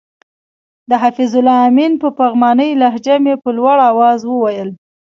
د حفیظ الله آمین په پغمانۍ لهجه مې په لوړ اواز وویل.